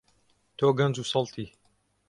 تۆ گەنج و سەڵتی.